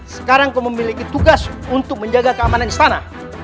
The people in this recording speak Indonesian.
sekarang kau memiliki tugas untuk menjaga keamanan istana